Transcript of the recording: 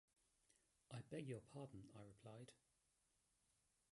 “I beg your pardon,” I replied.